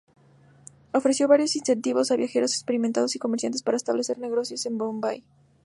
Ofreció varios incentivos a viajeros experimentados y comerciantes para establecer negocios en Bombay.